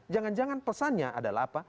jangan jangan pesannya adalah apa